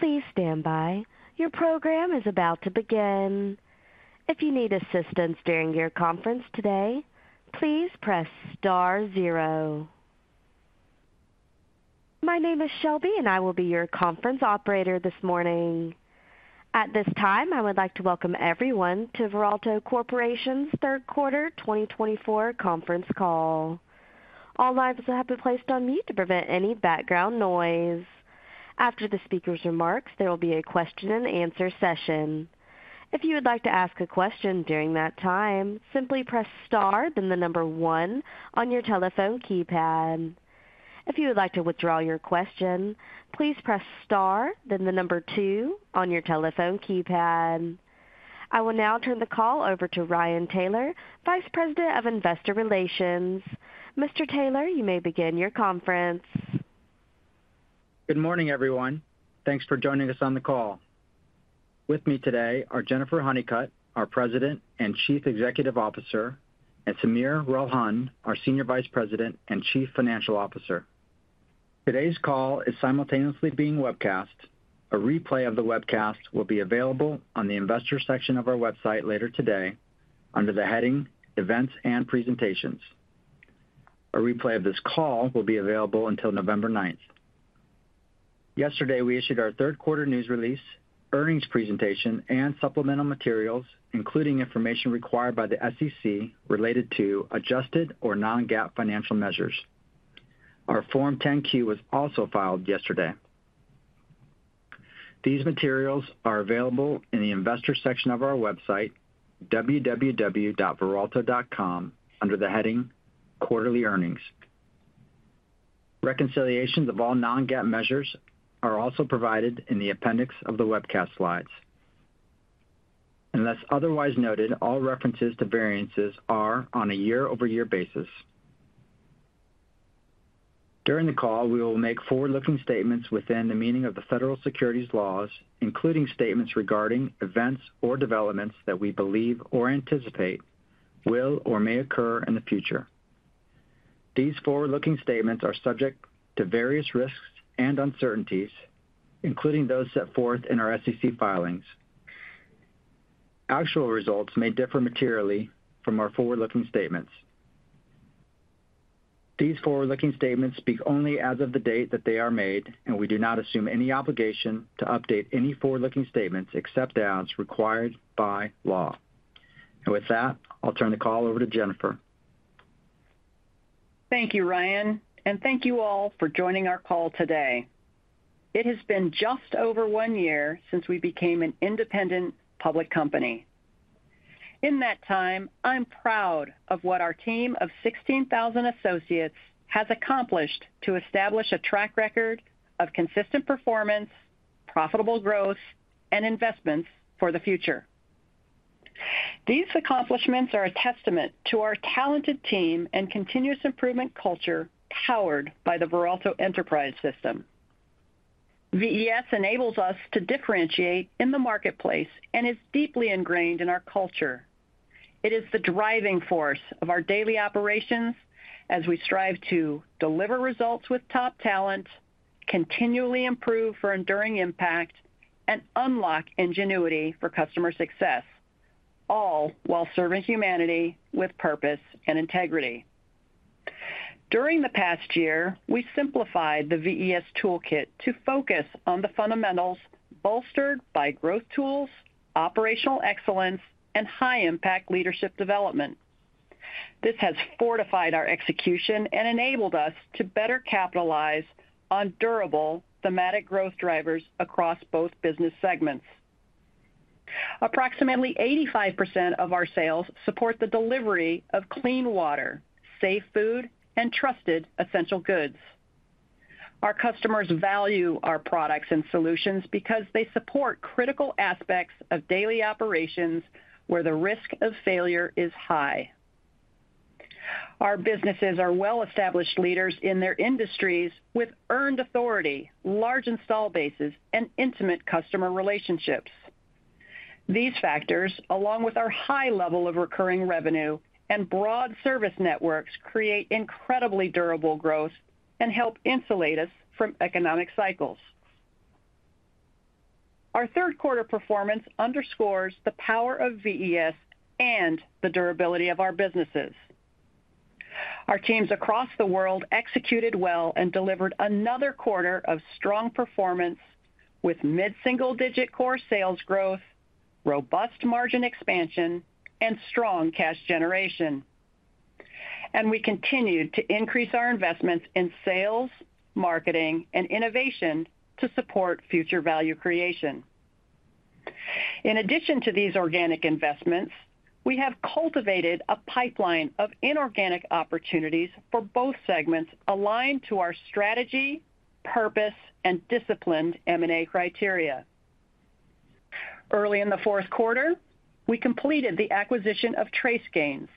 Please stand by. Your program is about to begin. If you need assistance during your conference today, please press star zero. My name is Shelby, and I will be your conference operator this morning. At this time, I would like to welcome everyone to Veralto Corporation's third quarter 2024 conference call. All lines have been placed on mute to prevent any background noise. After the speaker's remarks, there will be a question-and-answer session. If you would like to ask a question during that time, simply press star, then the number one on your telephone keypad. If you would like to withdraw your question, please press star, then the number two on your telephone keypad. I will now turn the call over to Ryan Taylor, Vice President of Investor Relations. Mr. Taylor, you may begin your conference. Good morning, everyone. Thanks for joining us on the call. With me today are Jennifer Honeycutt, our President and Chief Executive Officer, and Sameer Ralhan, our Senior Vice President and Chief Financial Officer. Today's call is simultaneously being webcast. A replay of the webcast will be available on the investor section of our website later today under the heading Events and Presentations. A replay of this call will be available until November ninth. Yesterday, we issued our third quarter news release, earnings presentation, and supplemental materials, including information required by the SEC related to adjusted or non-GAAP financial measures. Our Form 10-Q was also filed yesterday. These materials are available in the investor section of our website, www.veralto.com, under the heading Quarterly Earnings. Reconciliations of all non-GAAP measures are also provided in the appendix of the webcast slides. Unless otherwise noted, all references to variances are on a year-over-year basis. During the call, we will make forward-looking statements within the meaning of the federal securities laws, including statements regarding events or developments that we believe or anticipate will or may occur in the future. These forward-looking statements are subject to various risks and uncertainties, including those set forth in our SEC filings. Actual results may differ materially from our forward-looking statements. These forward-looking statements speak only as of the date that they are made, and we do not assume any obligation to update any forward-looking statements except as required by law. With that, I'll turn the call over to Jennifer. Thank you, Ryan, and thank you all for joining our call today. It has been just over one year since we became an independent public company. In that time, I'm proud of what our team of 16,000 associates has accomplished to establish a track record of consistent performance, profitable growth, and investments for the future. These accomplishments are a testament to our talented team and continuous improvement culture, powered by the Veralto Enterprise System. VES enables us to differentiate in the marketplace and is deeply ingrained in our culture. It is the driving force of our daily operations as we strive to deliver results with top talent, continually improve for enduring impact, and unlock ingenuity for customer success, all while serving humanity with purpose and integrity. During the past year, we simplified the VES toolkit to focus on the fundamentals bolstered by growth tools, operational excellence, and high-impact leadership development. This has fortified our execution and enabled us to better capitalize on durable thematic growth drivers across both business segments. Approximately 85% of our sales support the delivery of clean water, safe food, and trusted essential goods. Our customers value our products and solutions because they support critical aspects of daily operations where the risk of failure is high. Our businesses are well-established leaders in their industries, with earned authority, large install bases, and intimate customer relationships. These factors, along with our high level of recurring revenue and broad service networks, create incredibly durable growth and help insulate us from economic cycles. Our third quarter performance underscores the power of VES and the durability of our businesses. Our teams across the world executed well and delivered another quarter of strong performance with mid-single-digit core sales growth, robust margin expansion, and strong cash generation. And we continued to increase our investments in sales, marketing, and innovation to support future value creation. In addition to these organic investments, we have cultivated a pipeline of inorganic opportunities for both segments aligned to our strategy, purpose, and disciplined M&A criteria. Early in the fourth quarter, we completed the acquisition of TraceGains,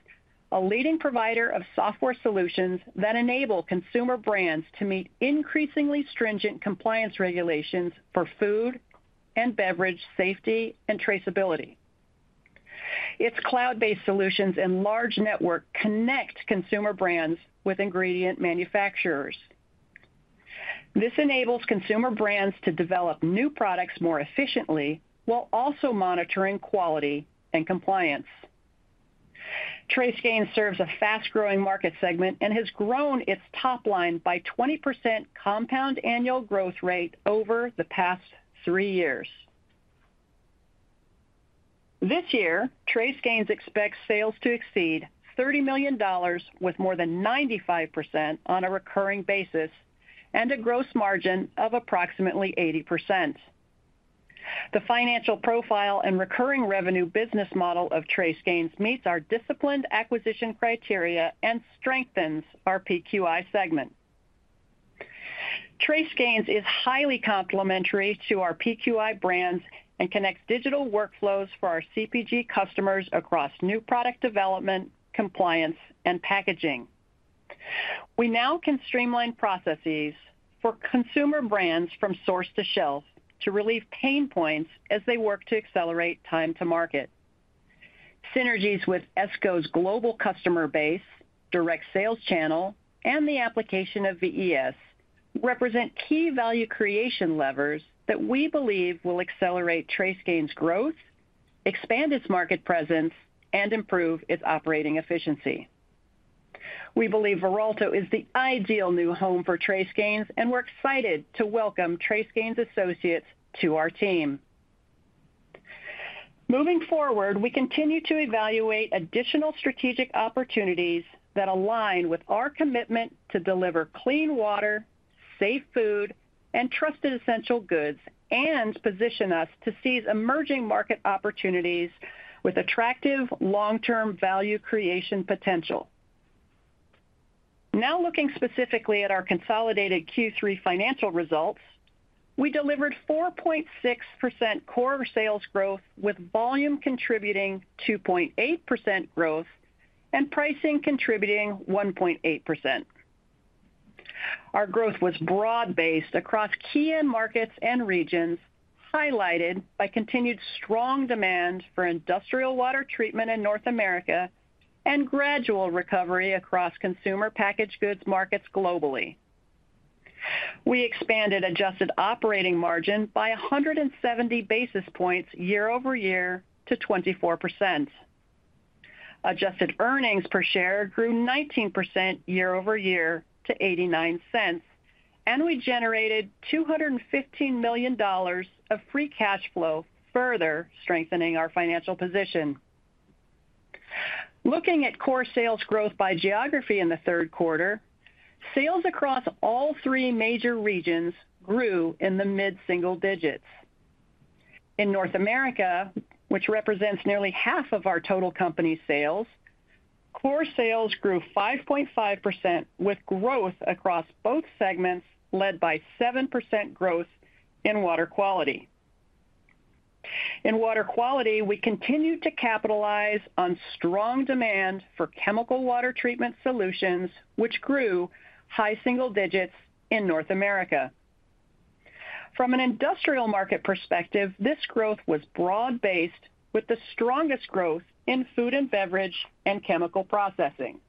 a leading provider of software solutions that enable consumer brands to meet increasingly stringent compliance regulations for food and beverage safety and traceability. Its cloud-based solutions and large network connect consumer brands with ingredient manufacturers. This enables consumer brands to develop new products more efficiently, while also monitoring quality and compliance. TraceGains serves a fast-growing market segment and has grown its top line by 20% compound annual growth rate over the past three years. This year, TraceGains expects sales to exceed $30 million, with more than 95% on a recurring basis, and a gross margin of approximately 80%. The financial profile and recurring revenue business model of TraceGains meets our disciplined acquisition criteria and strengthens our PQI segment. TraceGains is highly complementary to our PQI brands and connects digital workflows for our CPG customers across new product development, compliance, and packaging. We now can streamline processes for consumer brands from source to shelf to relieve pain points as they work to accelerate time to market. Synergies with Esko's global customer base, direct sales channel, and the application of VES, represent key value creation levers that we believe will accelerate TraceGains growth, expand its market presence, and improve its operating efficiency. We believe Veralto is the ideal new home for TraceGains, and we're excited to welcome TraceGains associates to our team. Moving forward, we continue to evaluate additional strategic opportunities that align with our commitment to deliver clean water, safe food, and trusted essential goods, and position us to seize emerging market opportunities with attractive long-term value creation potential. Now, looking specifically at our consolidated Q3 financial results, we delivered 4.6% core sales growth, with volume contributing 2.8% growth and pricing contributing 1.8%. Our growth was broad-based across key end markets and regions, highlighted by continued strong demand for industrial water treatment in North America and gradual recovery across consumer packaged goods markets globally. We expanded adjusted operating margin by a hundred and seventy basis points year-over-year to 24%. Adjusted earnings per share grew 19% year-over-year to $0.89, and we generated $215 million of free cash flow, further strengthening our financial position. Looking at core sales growth by geography in the third quarter, sales across all three major regions grew in the mid-single digits. In North America, which represents nearly half of our total company sales, core sales grew 5.5%, with growth across both segments, led by 7% growth in Water Quality. In Water Quality, we continued to capitalize on strong demand for chemical water treatment solutions, which grew high single digits in North America. From an industrial market perspective, this growth was broad-based, with the strongest growth in food and beverage and chemical processing.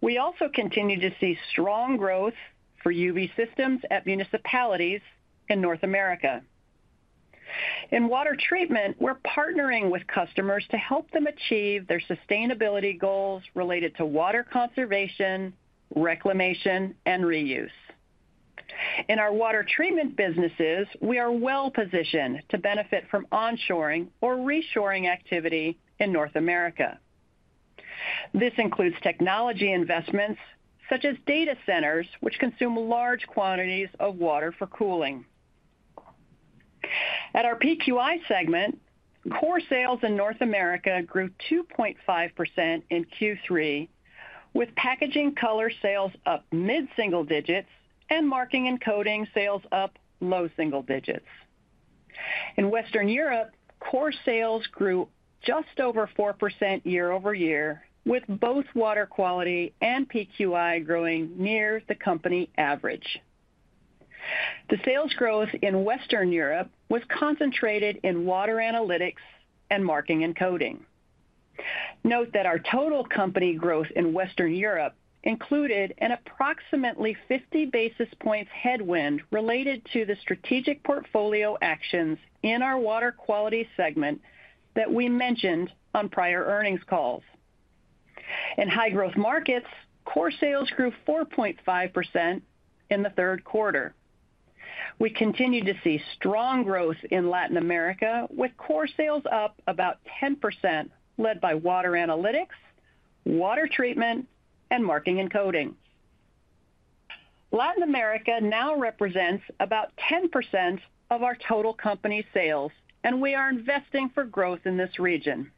We also continued to see strong growth for UV systems at municipalities in North America. In water treatment, we're partnering with customers to help them achieve their sustainability goals related to water conservation, reclamation, and reuse. In our water treatment businesses, we are well positioned to benefit from onshoring or reshoring activity in North America. This includes technology investments such as data centers, which consume large quantities of water for cooling. At our PQI segment, core sales in North America grew 2.5% in Q3, with packaging color sales up mid-single digits and marking and coding sales up low single digits. In Western Europe, core sales grew just over 4% year-over-year, with both Water Quality and PQI growing near the company average. The sales growth in Western Europe was concentrated in water analytics and marking and coding. Note that our total company growth in Western Europe included an approximately fifty basis points headwind related to the strategic portfolio actions in our Water Quality segment that we mentioned on prior earnings calls. In high-growth markets, core sales grew 4.5% in the third quarter. We continued to see strong growth in Latin America, with core sales up about 10%, led by water analytics, water treatment, and marking and coding. Latin America now represents about 10% of our total company sales, and we are investing for growth in this region.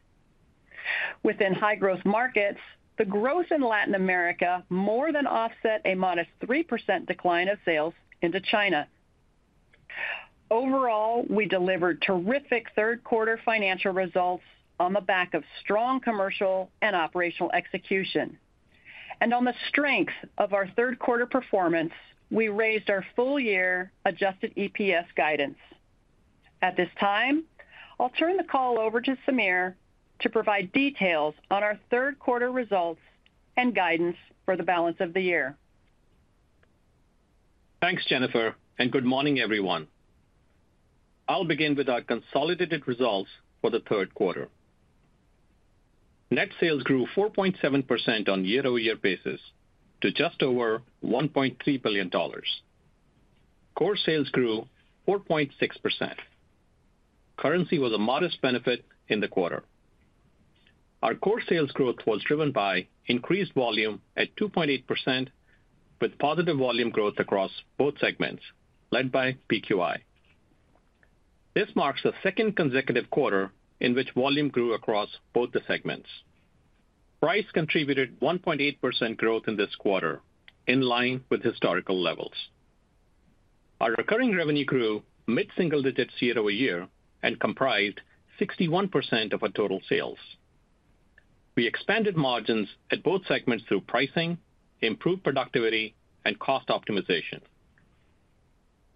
Within high-growth markets, the growth in Latin America more than offset a modest 3% decline of sales into China. Overall, we delivered terrific third quarter financial results on the back of strong commercial and operational execution... and on the strength of our third quarter performance, we raised our full-year adjusted EPS guidance. At this time, I'll turn the call over to Sameer to provide details on our third quarter results and guidance for the balance of the year. Thanks, Jennifer, and good morning, everyone. I'll begin with our consolidated results for the third quarter. Net sales grew 4.7% on year-over-year basis to just over $1.3 billion. Core sales grew 4.6%. Currency was a modest benefit in the quarter. Our core sales growth was driven by increased volume at 2.8%, with positive volume growth across both segments, led by PQI. This marks the second consecutive quarter in which volume grew across both the segments. Price contributed 1.8% growth in this quarter, in line with historical levels. Our recurring revenue grew mid-single digits year-over-year and comprised 61% of our total sales. We expanded margins at both segments through pricing, improved productivity, and cost optimization.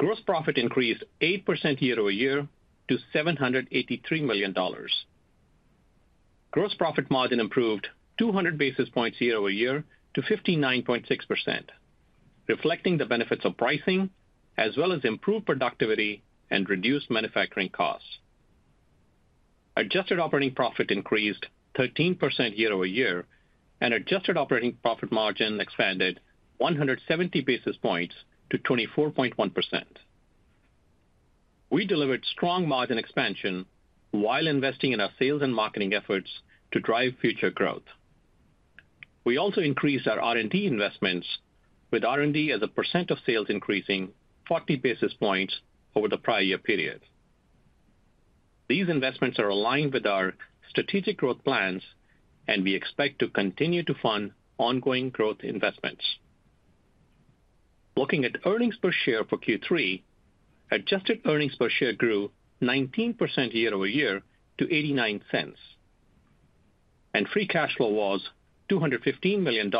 Gross profit increased 8% year-over-year to $783 million. Gross profit margin improved 200 basis points year-over-year to 59.6%, reflecting the benefits of pricing, as well as improved productivity and reduced manufacturing costs. Adjusted operating profit increased 13% year-over-year, and adjusted operating profit margin expanded 170 basis points to 24.1%. We delivered strong margin expansion while investing in our sales and marketing efforts to drive future growth. We also increased our R&D investments, with R&D as a percent of sales increasing 40 basis points over the prior year period. These investments are aligned with our strategic growth plans, and we expect to continue to fund ongoing growth investments. Looking at earnings per share for Q3, adjusted earnings per share grew 19% year-over-year to $0.89, and free cash flow was $215 million,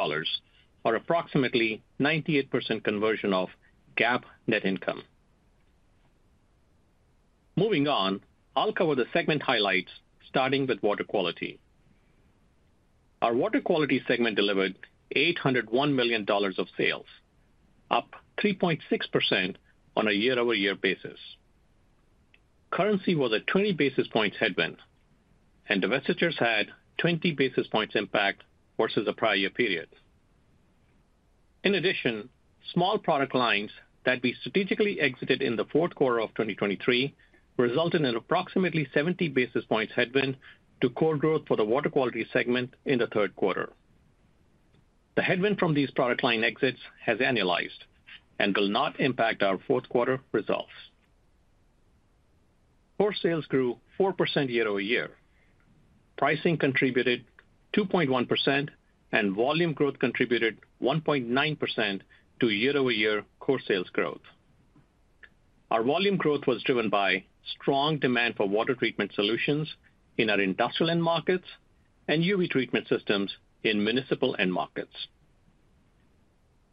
or approximately 98% conversion of GAAP net income. Moving on, I'll cover the segment highlights, starting with Water Quality. Our Water Quality segment delivered $801 million of sales, up 3.6% on a year-over-year basis. Currency was a 20 basis points headwind, and divestitures had 20 basis points impact versus the prior year period. In addition, small product lines that we strategically exited in the fourth quarter of 2023 resulted in approximately 70 basis points headwind to core growth for the Water Quality segment in the third quarter. The headwind from these product line exits has annualized and will not impact our fourth quarter results. Core sales grew 4% year-over-year. Pricing contributed 2.1%, and volume growth contributed 1.9% to year-over-year core sales growth. Our volume growth was driven by strong demand for water treatment solutions in our industrial end markets and UV treatment systems in municipal end markets.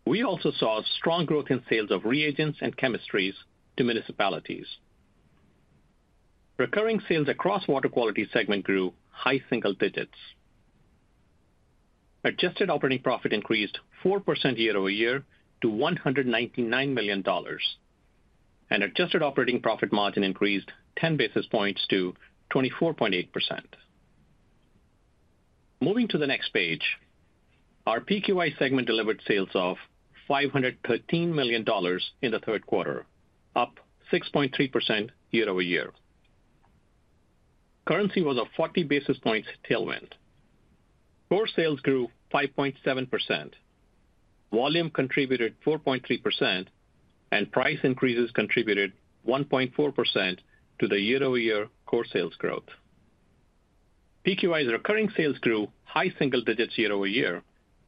We also saw strong growth in sales of reagents and chemistries to municipalities. Recurring sales across Water Quality segment grew high single digits. Adjusted operating profit increased 4% year-over-year to $199 million, and adjusted operating profit margin increased 10 basis points to 24.8%. Moving to the next page, our PQI segment delivered sales of $513 million in the third quarter, up 6.3% year-over-year. Currency was a 40 basis points tailwind. Core sales grew 5.7%, volume contributed 4.3%, and price increases contributed 1.4% to the year-over-year core sales growth. PQI's recurring sales grew high single digits year-over-year,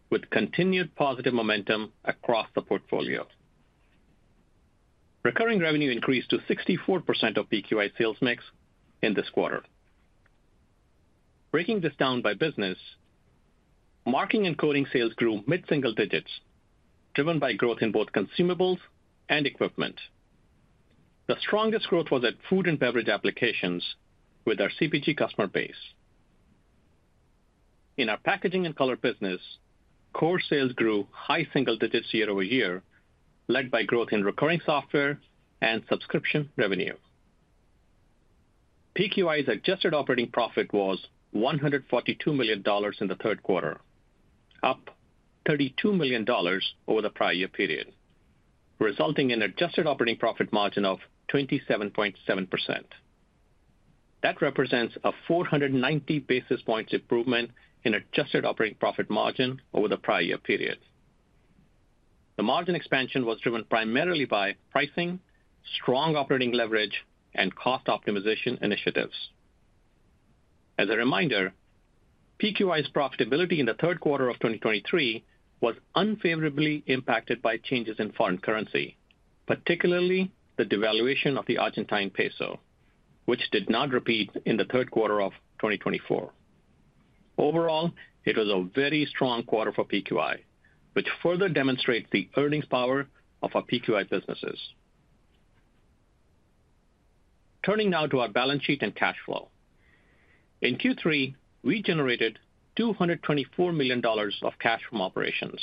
with continued positive momentum across the portfolio. Recurring revenue increased to 64% of PQI sales mix in this quarter. Breaking this down by business, marking and coding sales grew mid-single digits, driven by growth in both consumables and equipment. The strongest growth was at food and beverage applications with our CPG customer base. In our packaging and color business, core sales grew high single digits year-over-year, led by growth in recurring software and subscription revenue. PQI's adjusted operating profit was $142 million in the third quarter, up $32 million over the prior year period, resulting in adjusted operating profit margin of 27.7%. That represents a 490 basis points improvement in adjusted operating profit margin over the prior year period. The margin expansion was driven primarily by pricing, strong operating leverage, and cost optimization initiatives. As a reminder, PQI's profitability in the third quarter of 2023 was unfavorably impacted by changes in foreign currency, particularly the devaluation of the Argentine peso, which did not repeat in the third quarter of 2024. Overall, it was a very strong quarter for PQI, which further demonstrates the earnings power of our PQI businesses. Turning now to our balance sheet and cash flow. In Q3, we generated $224 million of cash from operations.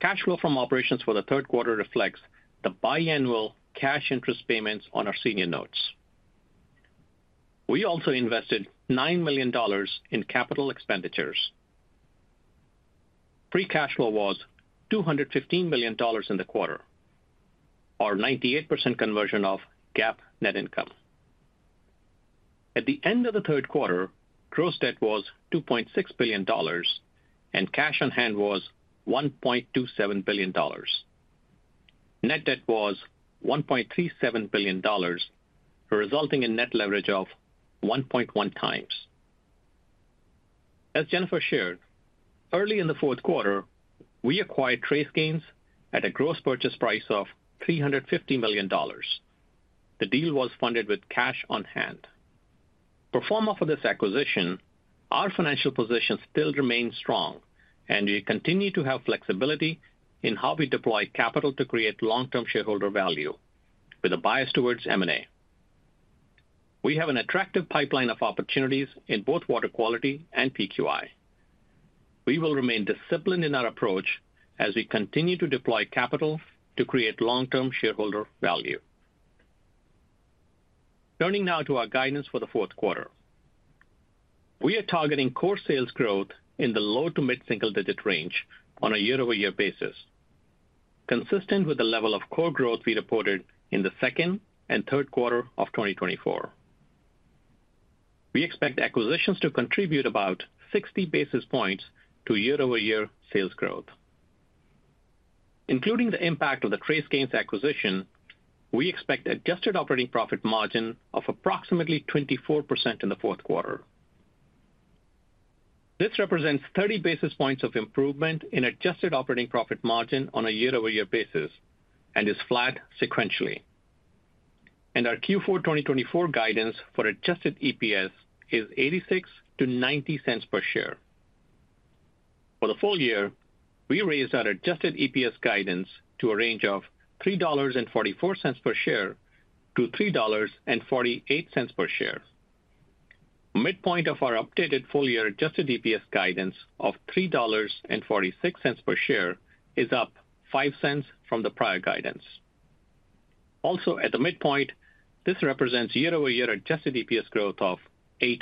Cash flow from operations for the third quarter reflects the biannual cash interest payments on our senior notes. We also invested $9 million in capital expenditures. Free cash flow was $215 million in the quarter, or 98% conversion of GAAP net income. At the end of the third quarter, gross debt was $2.6 billion, and cash on hand was $1.27 billion. Net debt was $1.37 billion, resulting in net leverage of 1.1 times. As Jennifer shared, early in the fourth quarter, we acquired TraceGains at a gross purchase price of $350 million. The deal was funded with cash on hand. Pro forma for this acquisition, our financial position still remains strong, and we continue to have flexibility in how we deploy capital to create long-term shareholder value with a bias towards M&A. We have an attractive pipeline of opportunities in both Water Quality and PQI. We will remain disciplined in our approach as we continue to deploy capital to create long-term shareholder value. Turning now to our guidance for the fourth quarter. We are targeting core sales growth in the low to mid-single digit range on a year-over-year basis, consistent with the level of core growth we reported in the second and third quarter of 2024. We expect acquisitions to contribute about 60 basis points to year-over-year sales growth. Including the impact of the TraceGains acquisition, we expect adjusted operating profit margin of approximately 24% in the fourth quarter. This represents 30 basis points of improvement in adjusted operating profit margin on a year-over-year basis and is flat sequentially. And our Q4 2024 guidance for adjusted EPS is $0.86-$0.90 per share. For the full year, we raised our adjusted EPS guidance to a range of $3.44-$3.48 per share. Midpoint of our updated full-year Adjusted EPS guidance of $3.46 per share is up $0.05 from the prior guidance. Also, at the midpoint, this represents year-over-year Adjusted EPS growth of 8%.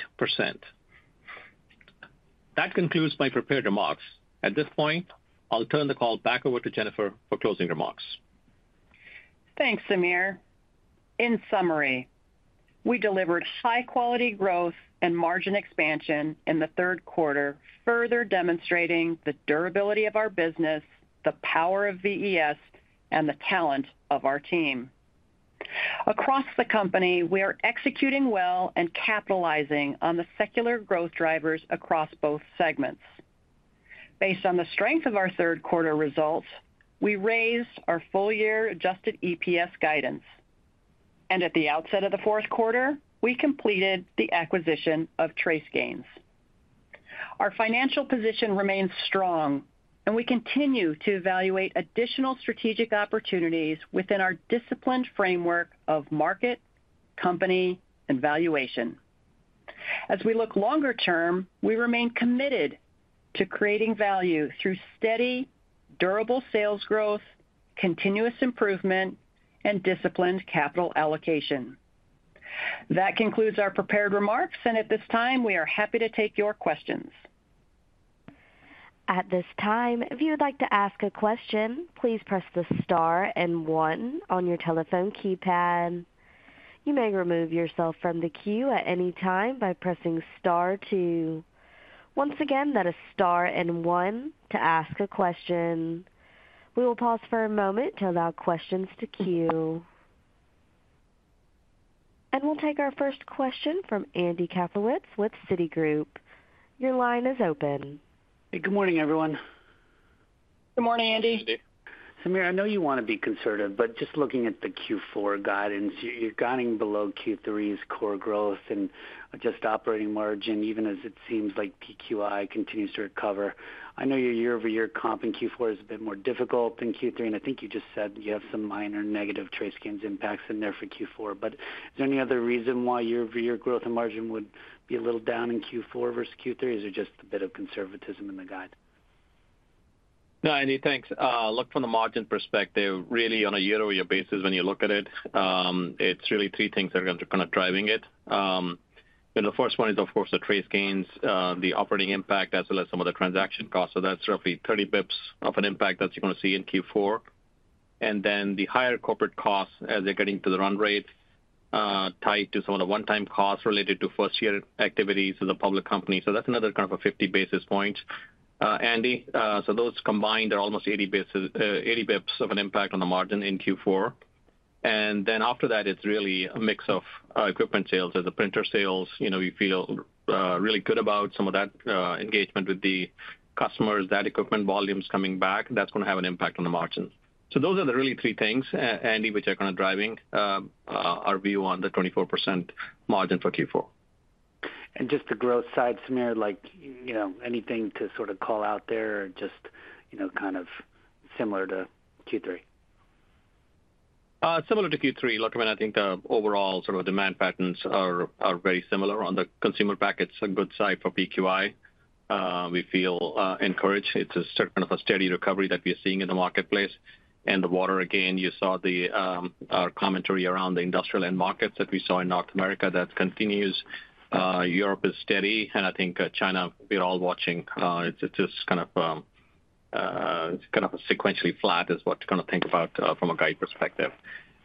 That concludes my prepared remarks. At this point, I'll turn the call back over to Jennifer for closing remarks. Thanks, Sameer. In summary, we delivered high-quality growth and margin expansion in the third quarter, further demonstrating the durability of our business, the power of VES, and the talent of our team. Across the company, we are executing well and capitalizing on the secular growth drivers across both segments. Based on the strength of our third quarter results, we raised our full-year Adjusted EPS guidance, and at the outset of the fourth quarter, we completed the acquisition of TraceGains. Our financial position remains strong, and we continue to evaluate additional strategic opportunities within our disciplined framework of market, company, and valuation. As we look longer term, we remain committed to creating value through steady, durable sales growth, continuous improvement, and disciplined capital allocation. That concludes our prepared remarks, and at this time, we are happy to take your questions. At this time, if you would like to ask a question, please press the star and one on your telephone keypad. You may remove yourself from the queue at any time by pressing star two. Once again, that is star and one to ask a question. We will pause for a moment to allow questions to queue. And we'll take our first question from Andy Kaplowitz with Citigroup. Your line is open. Hey, good morning, everyone. Good morning, Andy. Good morning, Andy. Sameer, I know you want to be conservative, but just looking at the Q4 guidance, you're guiding below Q3's core growth and adjusted operating margin, even as it seems like PQI continues to recover. I know your year-over-year comp in Q4 is a bit more difficult than Q3, and I think you just said you have some minor negative TraceGains impacts in there for Q4. But is there any other reason why year-over-year growth and margin would be a little down in Q4 versus Q3, or is it just a bit of conservatism in the guide? No, Andy, thanks. Look, from the margin perspective, really, on a year-over-year basis, when you look at it, it's really three things that are kind of driving it, and the first one is, of course, the TraceGains, the operating impact, as well as some of the transaction costs. So that's roughly thirty basis points of an impact that you're gonna see in Q4, and then the higher corporate costs as they're getting to the run rate, tied to some of the one-time costs related to first year activities as a public company, so that's another kind of a fifty basis points, Andy. So those combined are almost eighty basis points of an impact on the margin in Q4, and then after that, it's really a mix of, equipment sales. As the printer sales, you know, we feel really good about some of that engagement with the customers, that equipment volume is coming back, that's gonna have an impact on the margins. So those are the really three things, Andy, which are kind of driving our view on the 24% margin for Q4.... and just the growth side, Sameer, like, you know, anything to sort of call out there, just, you know, kind of similar to Q3? Similar to Q3, look, I mean, I think the overall sort of demand patterns are very similar. On the consumer pack, it's a good sign for PQI. We feel encouraged. It's a sort of a steady recovery that we are seeing in the marketplace. And the water, again, you saw our commentary around the industrial end markets that we saw in North America. That continues. Europe is steady, and I think China, we're all watching. It's just kind of sequentially flat, is what you kind of think about from a guide perspective.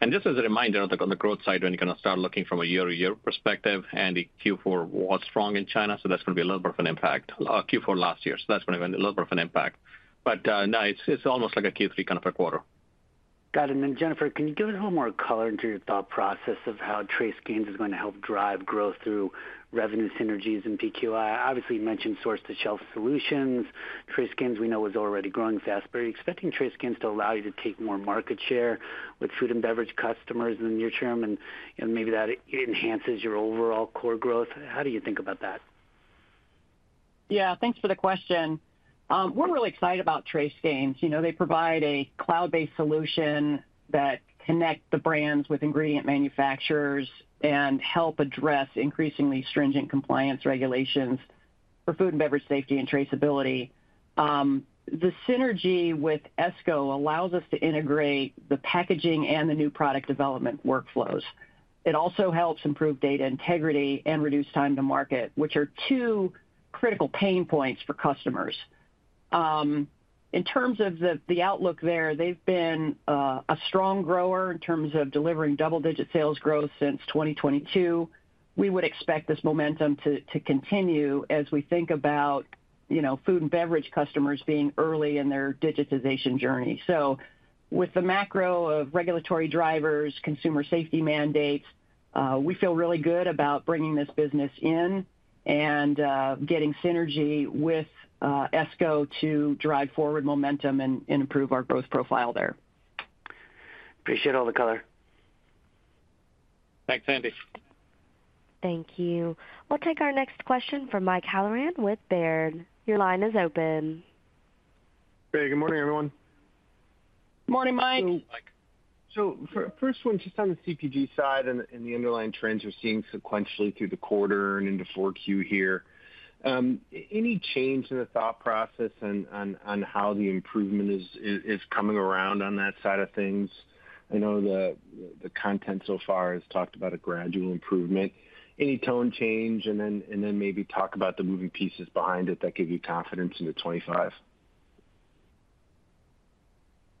And just as a reminder on the growth side, when you kind of start looking from a year-over-year perspective, Andy, Q4 was strong in China, so that's gonna be a little bit of an impact. Q4 last year, so that's gonna be a little bit of an impact. But, no, it's, it's almost like a Q3 kind of a quarter. Got it. And then, Jennifer, can you give a little more color into your thought process of how TraceGains is going to help drive growth through revenue synergies in PQI? Obviously, you mentioned source-to-shelf solutions. TraceGains we know is already growing fast, but are you expecting TraceGains to allow you to take more market share with food and beverage customers in the near term, and, and maybe that enhances your overall core growth? How do you think about that? Yeah, thanks for the question. We're really excited about TraceGains. You know, they provide a cloud-based solution that connect the brands with ingredient manufacturers and help address increasingly stringent compliance regulations for food and beverage safety and traceability. The synergy with Esko allows us to integrate the packaging and the new product development workflows. It also helps improve data integrity and reduce time to market, which are two critical pain points for customers. In terms of the outlook there, they've been a strong grower in terms of delivering double-digit sales growth since 2022. We would expect this momentum to continue as we think about, you know, food and beverage customers being early in their digitization journey. So with the macro of regulatory drivers, consumer safety mandates, we feel really good about bringing this business in and getting synergy with Esko to drive forward momentum and improve our growth profile there. Appreciate all the color. Thanks, Andy. Thank you. We'll take our next question from Mike Halloran with Baird. Your line is open. Great. Good morning, everyone. Good morning, Mike. Mike. First one, just on the CPG side and the underlying trends you're seeing sequentially through the quarter and into Q4 here, any change in the thought process on how the improvement is coming around on that side of things? I know the content so far has talked about a gradual improvement. Any tone change, and then maybe talk about the moving pieces behind it that give you confidence into 2025?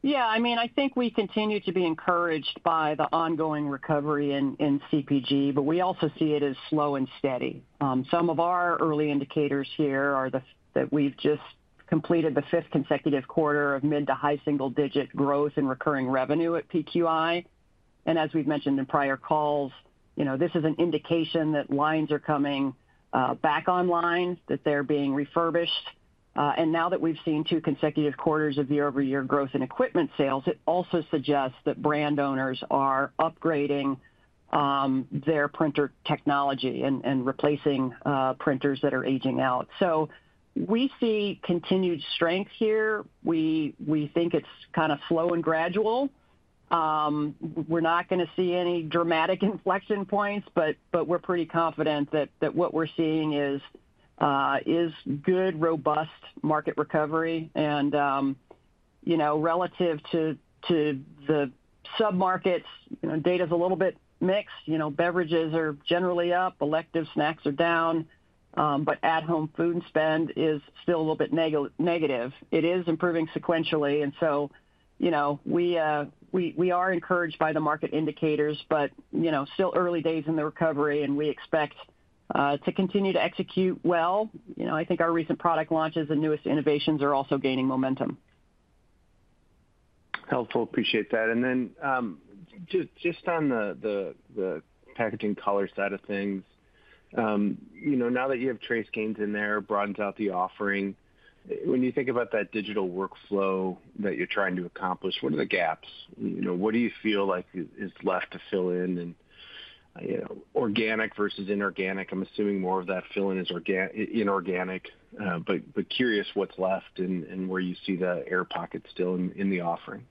Yeah, I mean, I think we continue to be encouraged by the ongoing recovery in CPG, but we also see it as slow and steady. Some of our early indicators here are that we've just completed the fifth consecutive quarter of mid to high single digit growth in recurring revenue at PQI, and as we've mentioned in prior calls, you know, this is an indication that lines are coming back online, that they're being refurbished, and now that we've seen two consecutive quarters of year-over-year growth in equipment sales, it also suggests that brand owners are upgrading their printer technology and replacing printers that are aging out. So we see continued strength here. We think it's kind of slow and gradual. We're not gonna see any dramatic inflection points, but we're pretty confident that what we're seeing is good, robust market recovery. You know, relative to the submarkets, you know, data's a little bit mixed. You know, beverages are generally up, elective snacks are down, but at-home food spend is still a little bit negative. It is improving sequentially, and so, you know, we are encouraged by the market indicators, but, you know, still early days in the recovery, and we expect to continue to execute well. You know, I think our recent product launches and newest innovations are also gaining momentum. Helpful. Appreciate that. And then, just on the packaging color side of things, you know, now that you have TraceGains in there, broadens out the offering. When you think about that digital workflow that you're trying to accomplish, what are the gaps? You know, what do you feel like is left to fill in? And, you know, organic versus inorganic, I'm assuming more of that fill in is inorganic, but curious what's left and where you see the air pockets still in the offering.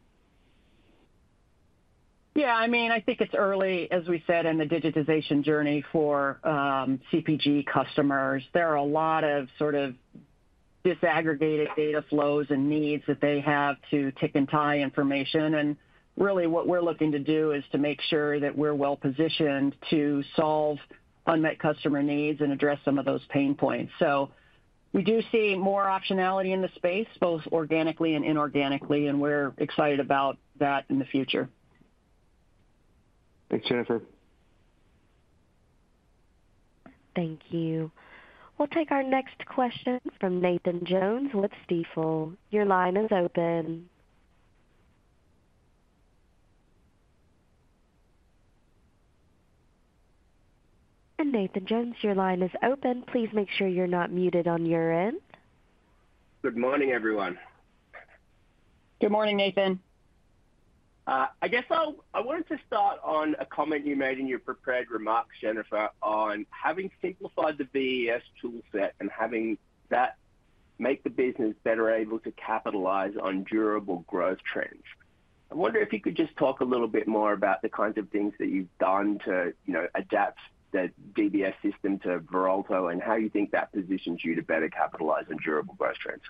Yeah, I mean, I think it's early, as we said, in the digitization journey for CPG customers. There are a lot of sort of disaggregated data flows and needs that they have to tick and tie information. And really, what we're looking to do is to make sure that we're well-positioned to solve unmet customer needs and address some of those pain points. So we do see more optionality in the space, both organically and inorganically, and we're excited about that in the future. Thanks, Jennifer. Thank you. We'll take our next question from Nathan Jones with Stifel. Your line is open, and Nathan Jones, your line is open. Please make sure you're not muted on your end. Good morning, everyone.... Good morning, Nathan. I guess I wanted to start on a comment you made in your prepared remarks, Jennifer, on having simplified the VES tool set and having that make the business better able to capitalize on durable growth trends. I wonder if you could just talk a little bit more about the kinds of things that you've done to, you know, adapt the VES system to Veralto and how you think that positions you to better capitalize on durable growth trends.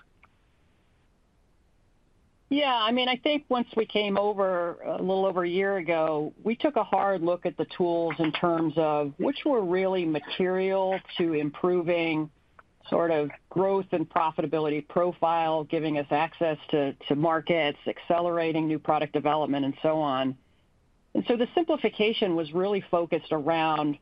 Yeah, I mean, I think once we came over, a little over a year ago, we took a hard look at the tools in terms of which were really material to improving sort of growth and profitability profile, giving us access to markets, accelerating new product development, and so on. And so the simplification was really focused around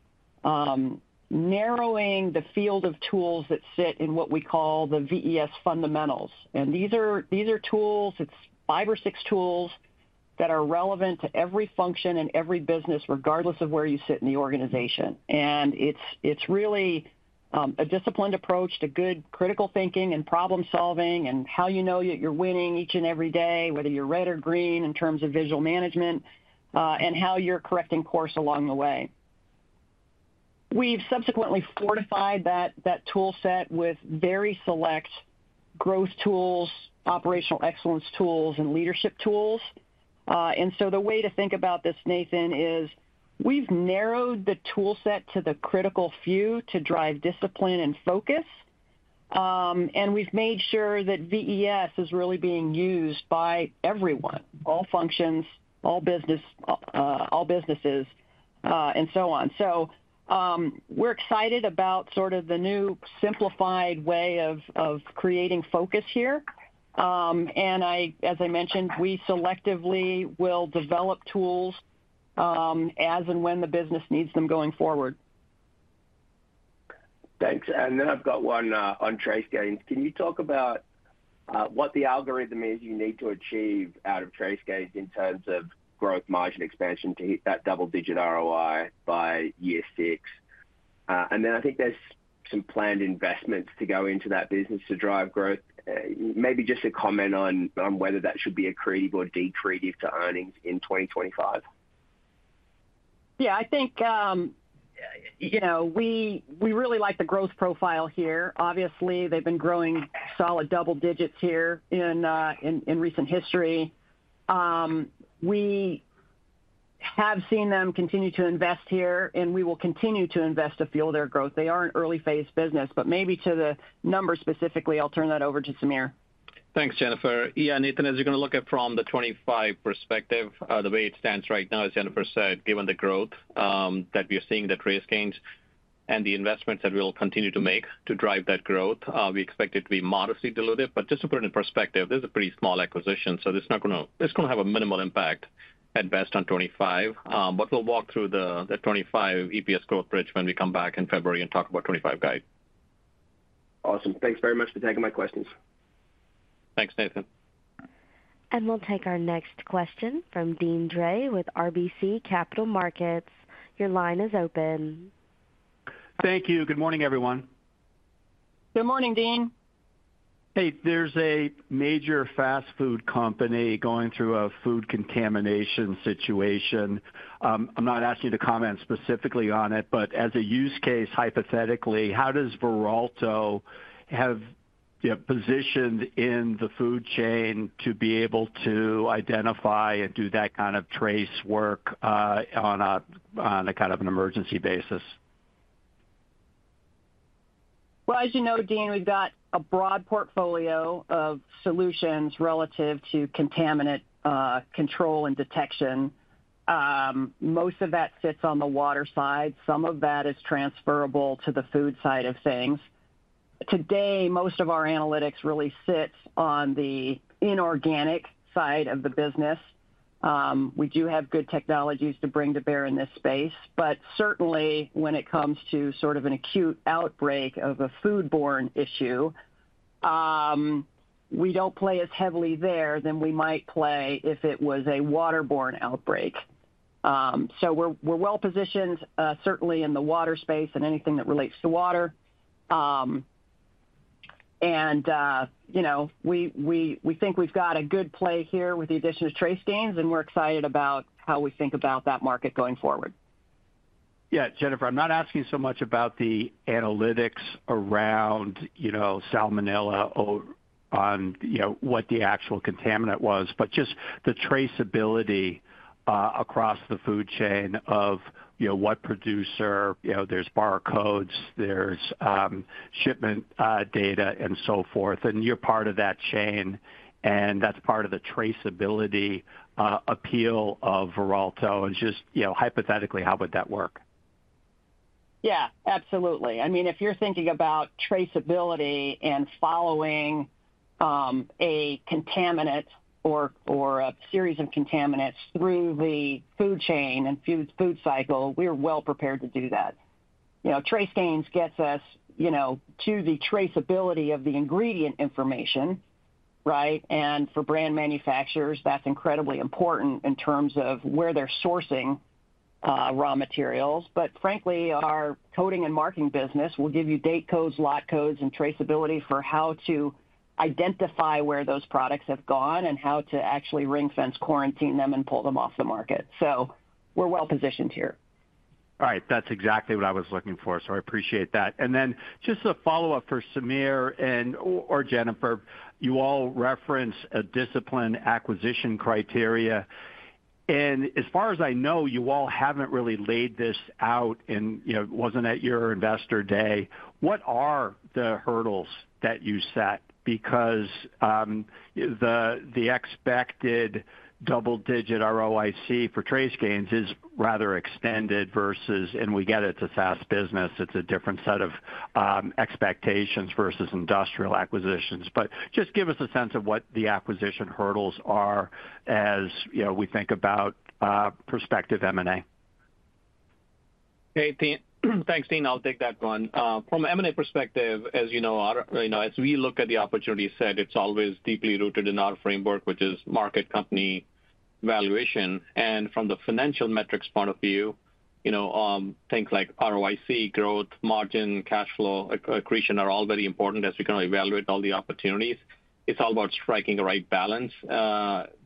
narrowing the field of tools that sit in what we call the VES fundamentals. And these are tools; it's five or six tools that are relevant to every function and every business, regardless of where you sit in the organization. And it's really a disciplined approach to good critical thinking and problem-solving, and how you know that you're winning each and every day, whether you're red or green, in terms of visual management and how you're correcting course along the way. We've subsequently fortified that tool set with very select growth tools, operational excellence tools, and leadership tools. And so the way to think about this, Nathan, is we've narrowed the tool set to the critical few to drive discipline and focus. And we've made sure that VES is really being used by everyone, all functions, all businesses, and so on. So, we're excited about sort of the new simplified way of creating focus here. And as I mentioned, we selectively will develop tools, as and when the business needs them going forward. Thanks. And then I've got one on TraceGains. Can you talk about what the algorithm is you need to achieve out of TraceGains in terms of growth margin expansion to hit that double-digit ROI by year six? And then I think there's some planned investments to go into that business to drive growth. Maybe just a comment on whether that should be accretive to earnings in 2025. Yeah, I think, you know, we really like the growth profile here. Obviously, they've been growing solid double digits here in recent history. We have seen them continue to invest here, and we will continue to invest to fuel their growth. They are an early-phase business, but maybe to the numbers specifically, I'll turn that over to Sameer. Thanks, Jennifer. Yeah, Nathan, as you're gonna look at from the 2025 perspective, the way it stands right now, as Jennifer said, given the growth that we are seeing at TraceGains and the investments that we'll continue to make to drive that growth, we expect it to be modestly dilutive. But just to put it in perspective, this is a pretty small acquisition, so it's gonna have a minimal impact at best on 2025. But we'll walk through the 2025 EPS growth bridge when we come back in February and talk about 2025 guide. Awesome. Thanks very much for taking my questions. Thanks, Nathan. We'll take our next question from Deane Dray with RBC Capital Markets. Your line is open. Thank you. Good morning, everyone. Good morning, Deane. Hey, there's a major fast food company going through a food contamination situation. I'm not asking you to comment specifically on it, but as a use case, hypothetically, how does Veralto have, you know, positioned in the food chain to be able to identify and do that kind of trace work, on a kind of an emergency basis? As you know, Deane, we've got a broad portfolio of solutions relative to contaminant control and detection. Most of that sits on the water side. Some of that is transferable to the food side of things. Today, most of our analytics really sits on the inorganic side of the business. We do have good technologies to bring to bear in this space, but certainly when it comes to sort of an acute outbreak of a foodborne issue, we don't play as heavily there than we might play if it was a waterborne outbreak. So we're well positioned, certainly in the water space and anything that relates to water. And you know, we think we've got a good play here with the addition of TraceGains, and we're excited about how we think about that market going forward. Yeah, Jennifer, I'm not asking so much about the analytics around, you know, salmonella or on, you know, what the actual contaminant was, but just the traceability across the food chain of, you know, what producer, you know, there's barcodes, there's shipment data and so forth, and you're part of that chain, and that's part of the traceability appeal of Veralto. And just, you know, hypothetically, how would that work? Yeah, absolutely. I mean, if you're thinking about traceability and following a contaminant or a series of contaminants through the food chain and food cycle, we're well prepared to do that. You know, TraceGains gets us, you know, to the traceability of the ingredient information, right? And for brand manufacturers, that's incredibly important in terms of where they're sourcing raw materials. But frankly, our coding and marking business will give you date codes, lot codes, and traceability for how to identify where those products have gone and how to actually ring-fence, quarantine them, and pull them off the market. So we're well positioned here. All right. That's exactly what I was looking for, so I appreciate that. And then just a follow-up for Sameer or Jennifer. You all reference a disciplined acquisition criteria, and as far as I know, you all haven't really laid this out in, you know, wasn't at your Investor Day. What are the hurdles that you set? Because the expected double-digit ROIC for TraceGains is rather extended versus, and we get it, it's a SaaS business. It's a different set of expectations versus industrial acquisitions. But just give us a sense of what the acquisition hurdles are as, you know, we think about prospective M&A. Hey, Deane. Thanks, Deane. I'll take that one. From an M&A perspective, as you know, our, you know, as we look at the opportunity set, it's always deeply rooted in our framework, which is market company valuation. And from the financial metrics point of view, you know, things like ROIC, growth, margin, cash flow, accretion are all very important as we kind of evaluate all the opportunities. It's all about striking the right balance,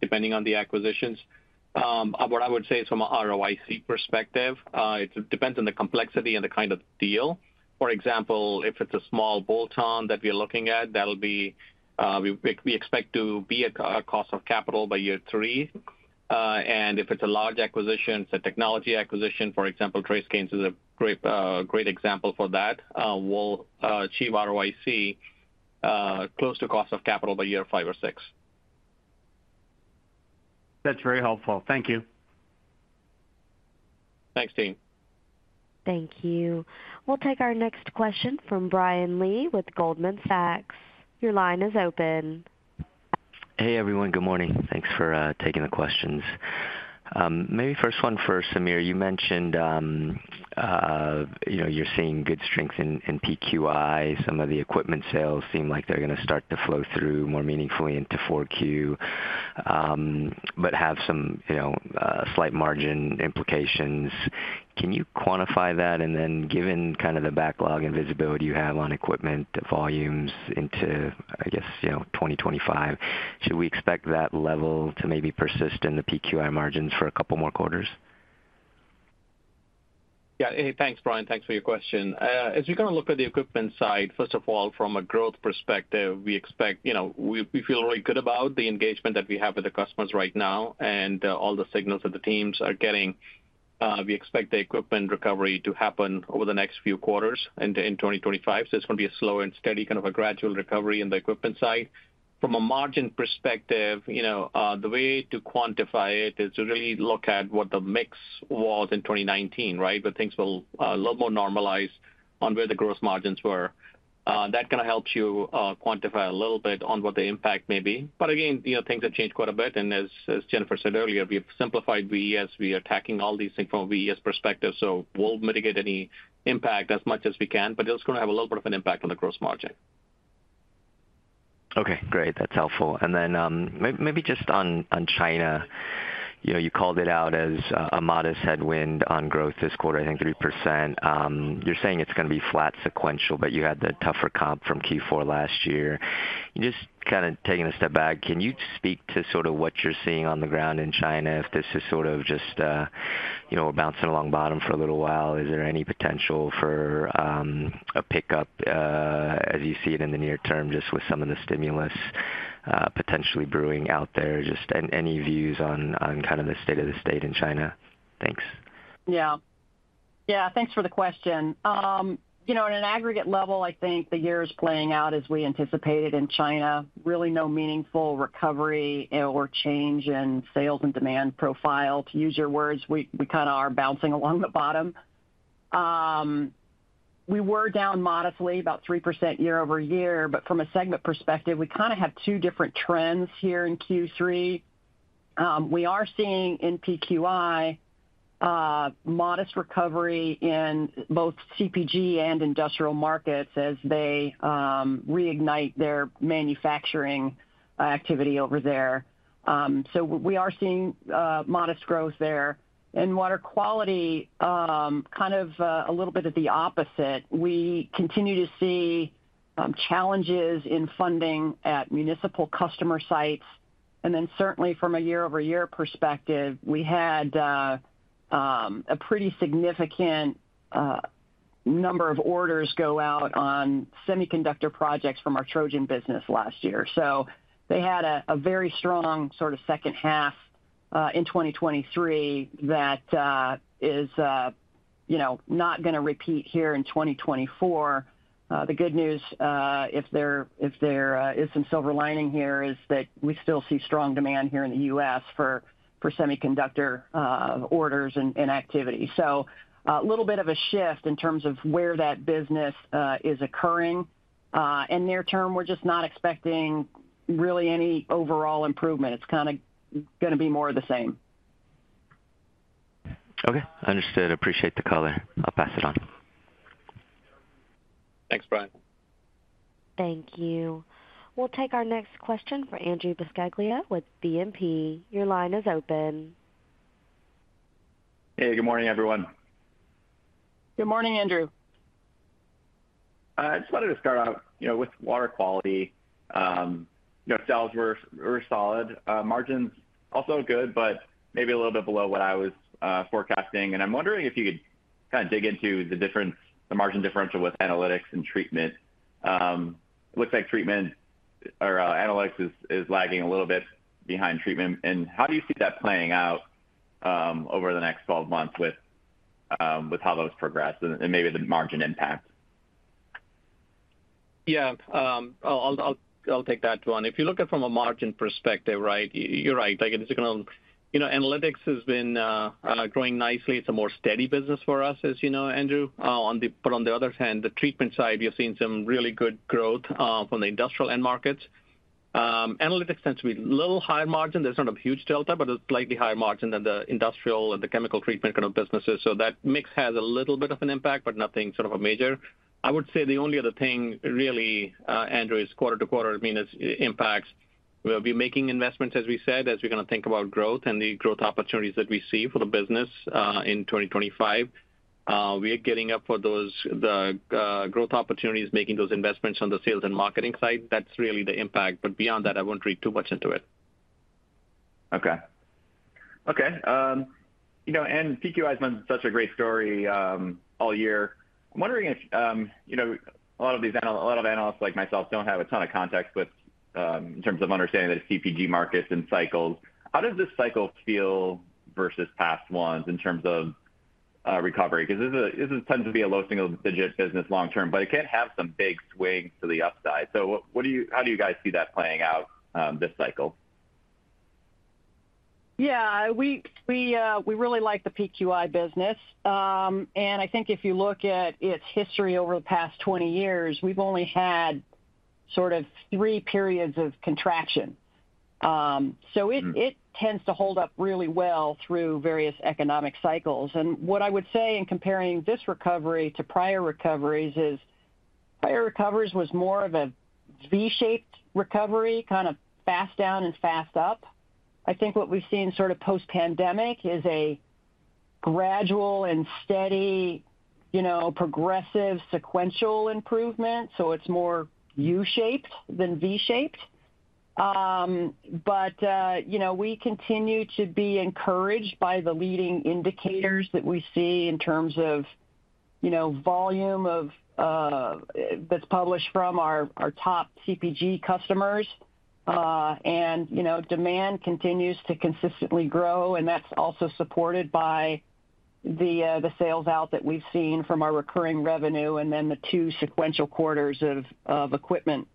depending on the acquisitions. What I would say from an ROIC perspective, it depends on the complexity and the kind of deal. For example, if it's a small bolt-on that we are looking at, that'll be, we expect to be at cost of capital by year three. And if it's a large acquisition, it's a technology acquisition, for example, TraceGains is a great example for that, we'll achieve ROIC close to cost of capital by year five or six. That's very helpful. Thank you. Thanks, Deane. Thank you. We'll take our next question from Brian Lee with Goldman Sachs. Your line is open. Hey, everyone. Good morning. Thanks for taking the questions. Maybe first one for Sameer. You mentioned, you know, you're seeing good strength in PQI. Some of the equipment sales seem like they're going to start to flow through more meaningfully into four Q, but have some, you know, slight margin implications. Can you quantify that? And then given kind of the backlog and visibility you have on equipment volumes into, I guess, you know, 2025, should we expect that level to maybe persist in the PQI margins for a couple more quarters? Yeah. Hey, thanks, Brian. Thanks for your question. As we kind of look at the equipment side, first of all, from a growth perspective, we expect. You know, we feel really good about the engagement that we have with the customers right now, and all the signals that the teams are getting. We expect the equipment recovery to happen over the next few quarters in 2025. So it's going to be a slow and steady, kind of a gradual recovery in the equipment side. From a margin perspective, you know, the way to quantify it is to really look at what the mix was in twenty nineteen, right? But things will a little more normalized on where the gross margins were. That kind of helps you quantify a little bit on what the impact may be. But again, you know, things have changed quite a bit, and as, as Jennifer said earlier, we've simplified VES. We are attacking all these things from a VES perspective, so we'll mitigate any impact as much as we can, but it's going to have a little bit of an impact on the gross margin. Okay, great. That's helpful. And then maybe just on China. You know, you called it out as a modest headwind on growth this quarter, I think 3%. You're saying it's going to be flat sequential, but you had the tougher comp from Q4 last year. Just kind of taking a step back, can you speak to sort of what you're seeing on the ground in China, if this is sort of just you know, bouncing along bottom for a little while? Is there any potential for a pickup as you see it in the near term, just with some of the stimulus potentially brewing out there? Just any views on kind of the state of the state in China? Thanks. Yeah. Yeah, thanks for the question. You know, at an aggregate level, I think the year is playing out as we anticipated in China. Really no meaningful recovery or change in sales and demand profile. To use your words, we kind of are bouncing along the bottom. We were down modestly, about 3% year-over-year, but from a segment perspective, we kind of have two different trends here in Q3. We are seeing in PQI modest recovery in both CPG and industrial markets as they reignite their manufacturing activity over there. So we are seeing modest growth there. In Water Quality, kind of a little bit of the opposite. We continue to see challenges in funding at municipal customer sites, and then certainly from a year-over-year perspective, we had a pretty significant number of orders go out on semiconductor projects from our Trojan business last year. So they had a very strong sort of second half in 2023 that you know is not gonna repeat here in 2024. The good news, if there is some silver lining here, is that we still see strong demand here in the U.S. for semiconductor orders and activity. So a little bit of a shift in terms of where that business is occurring. In near term, we're just not expecting really any overall improvement. It's kind of gonna be more of the same. Okay, understood. I appreciate the color. I'll pass it on.... Thanks, Brian. Thank you. We'll take our next question from Andrew Buscaglia with BNP. Your line is open. Hey, good morning, everyone. Good morning, Andrew. I just wanted to start out, you know, with Water Quality. You know, sales were solid. Margins also good, but maybe a little bit below what I was forecasting. And I'm wondering if you could kind of dig into the difference, the margin differential with Analytics and Treatment. It looks like treatment or analytics is lagging a little bit behind treatment. And how do you see that playing out over the next 12 months with how those progress and maybe the margin impact? Yeah, I'll take that one. If you look at it from a margin perspective, right, you're right. Like, it's gonna. You know, analytics has been growing nicely. It's a more steady business for us, as you know, Andrew. But on the other hand, the treatment side, we are seeing some really good growth from the industrial end markets. Analytics tends to be a little higher margin. There's not a huge delta, but a slightly higher margin than the industrial and the chemical treatment kind of businesses. So that mix has a little bit of an impact, but nothing sort of a major. I would say the only other thing, really, Andrew, is quarter to quarter, I mean, it impacts. We'll be making investments, as we said, as we're gonna think about growth and the growth opportunities that we see for the business in 2025. We are gearing up for those growth opportunities, making those investments on the sales and marketing side. That's really the impact, but beyond that, I won't read too much into it. Okay. Okay, you know, and PQI's been such a great story, all year. I'm wondering if, you know, a lot of analysts like myself, don't have a ton of context with, in terms of understanding the CPG markets and cycles. How does this cycle feel versus past ones in terms of, recovery? Because this is, this tends to be a low single-digit business long term, but it can have some big swings to the upside. So how do you guys see that playing out, this cycle? Yeah, we really like the PQI business, and I think if you look at its history over the past 20 years, we've only had sort of three periods of contraction, so it- Mm-hmm. It tends to hold up really well through various economic cycles. And what I would say in comparing this recovery to prior recoveries is, prior recoveries was more of a V-shaped recovery, kind of fast down and fast up. I think what we've seen sort of post-pandemic is a gradual and steady, you know, progressive, sequential improvement, so it's more U-shaped than V-shaped. But you know, we continue to be encouraged by the leading indicators that we see in terms of, you know, volume of that's published from our top CPG customers. And you know, demand continues to consistently grow, and that's also supported by the sales out that we've seen from our recurring revenue, and then the two sequential quarters of equipment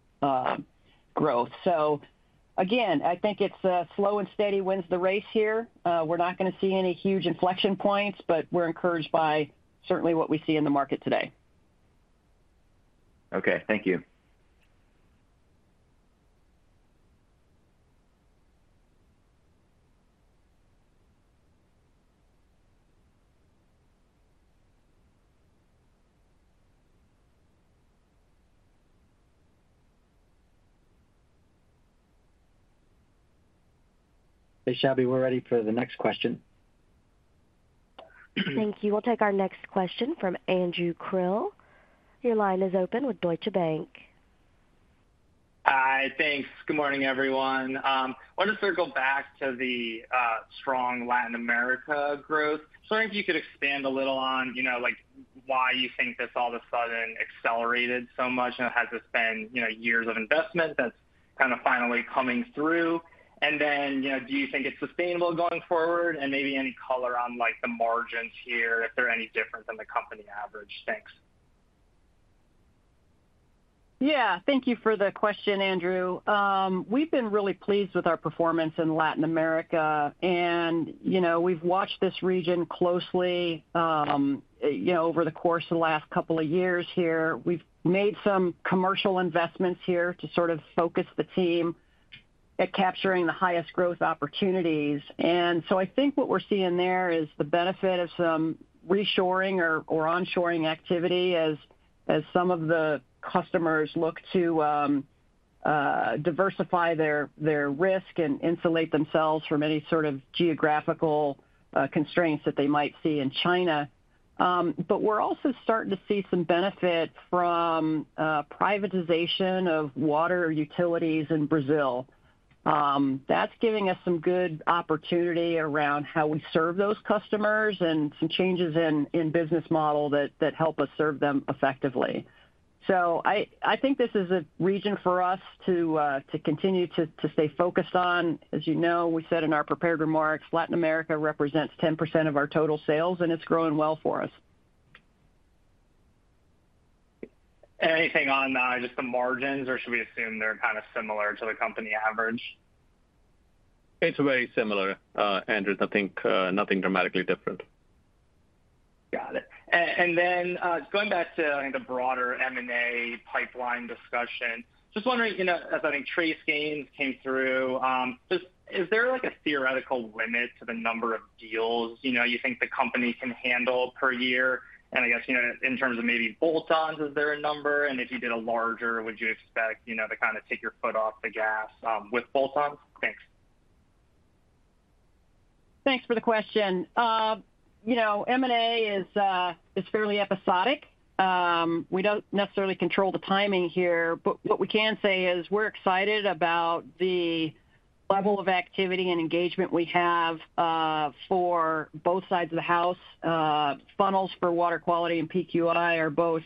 growth. So again, I think it's slow and steady wins the race here. We're not gonna see any huge inflection points, but we're encouraged by certainly what we see in the market today. Okay. Thank you. Hey, Shelby, we're ready for the next question. Thank you. We'll take our next question from Andrew Krill. Your line is open with Deutsche Bank. Hi. Thanks. Good morning, everyone. Wanted to circle back to the strong Latin America growth, so I wonder if you could expand a little on, you know, like, why you think this all of a sudden accelerated so much, and has this been, you know, years of investment that's kind of finally coming through? , and then, you know, do you think it's sustainable going forward, and maybe any color on, like, the margins here, if they're any different than the company average? Thanks. Yeah, thank you for the question, Andrew. We've been really pleased with our performance in Latin America, and, you know, we've watched this region closely, you know, over the course of the last couple of years here. We've made some commercial investments here to sort of focus the team at capturing the highest growth opportunities. And so I think what we're seeing there is the benefit of some reshoring or onshoring activity as some of the customers look to diversify their risk and insulate themselves from any sort of geographical constraints that they might see in China. But we're also starting to see some benefit from privatization of water utilities in Brazil. That's giving us some good opportunity around how we serve those customers and some changes in business model that help us serve them effectively. So I think this is a region for us to continue to stay focused on. As you know, we said in our prepared remarks, Latin America represents 10% of our total sales, and it's growing well for us. Anything on, just the margins, or should we assume they're kind of similar to the company average? It's very similar, Andrew. I think, nothing dramatically different.... Got it. And then, going back to, I think, the broader M&A pipeline discussion, just wondering, you know, as I think TraceGains came through, just is there, like, a theoretical limit to the number of deals, you know, you think the company can handle per year? And I guess, you know, in terms of maybe bolt-ons, is there a number? And if you did a larger, would you expect, you know, to kind of take your foot off the gas, with bolt-ons? Thanks. Thanks for the question. You know, M&A is fairly episodic. We don't necessarily control the timing here, but what we can say is we're excited about the level of activity and engagement we have for both sides of the house. Funnels for Water Quality and PQI are both